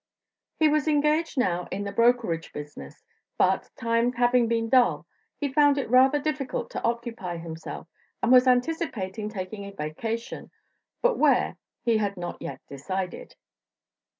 He was engaged now in the brokerage business, but, times having been dull, he found it rather difficult to occupy himself and was anticipating taking a vacation but where, he had not yet decided.